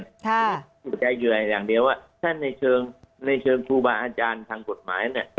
สิทธิ์ใจเยื่อยอย่างเดียวถ้าในเชิงทุบาอาจารย์ทางกฎหมายเนี่ย